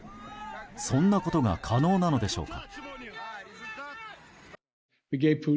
そんなことが可能なのでしょうか。